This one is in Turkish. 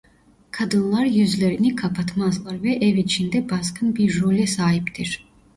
Kadınlar yüzlerini kapatmazlar ve ev içinde baskın bir role sahiptir.